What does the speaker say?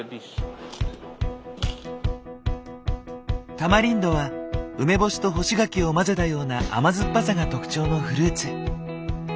タマリンドは梅干しと干し柿を混ぜたような甘酸っぱさが特徴のフルーツ。